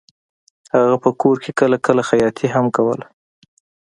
هغه په کور کې کله کله خیاطي هم کوله